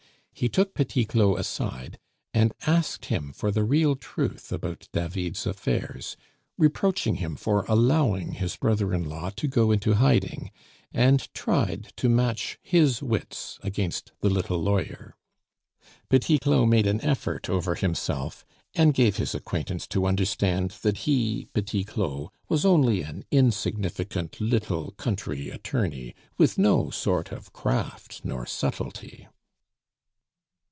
He took Petit Claud aside, and asked him for the real truth about David's affairs, reproaching him for allowing his brother in law to go into hiding, and tried to match his wits against the little lawyer. Petit Claud made an effort over himself, and gave his acquaintance to understand that he (Petit Claud) was only an insignificant little country attorney, with no sort of craft nor subtlety.